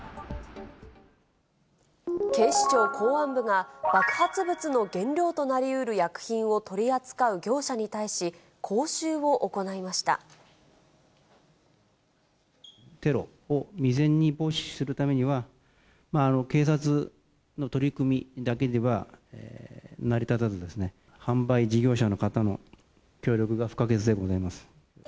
警視庁公安部が、爆発物の原料となりうる薬品を取り扱う業者に対し、テロを未然に防止するためには、警察の取り組みだけでは成り立たず、販売事業者の方の協力が不可欠でございます。